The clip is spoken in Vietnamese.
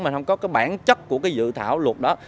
mình không có cái bản chất của cái dự thảo luật đó